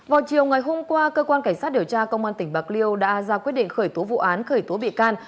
vào chiều ngày hôm qua cơ quan cảnh sát điều tra công an tỉnh bạc liêu đã ra quyết định khởi tố vụ án khởi tố bị can